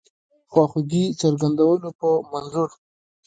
خواخوږی څرګندولو په منظور.